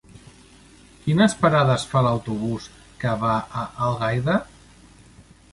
Quines parades fa l'autobús que va a Algaida?